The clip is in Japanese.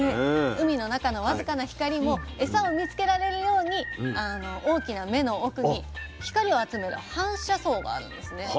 海の中の僅かな光もエサを見つけられるように大きな目の奥に光を集める反射層があるんですね。